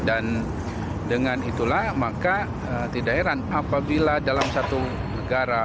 dengan itulah maka tidak heran apabila dalam satu negara